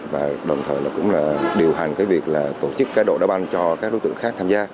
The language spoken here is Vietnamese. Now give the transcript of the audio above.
và đồng thời cũng là điều hành cái việc là tổ chức cái độ đá banh cho các đối tượng khác tham gia